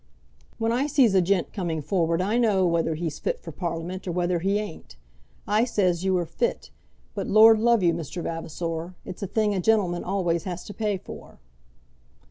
"When I sees a gent coming forward I knows whether he's fit for Parliament, or whether he ain't. I says you are fit. But Lord love you, Mr. Vavasor; it's a thing a gentleman always has to pay for."